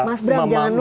mas bram jangan lupa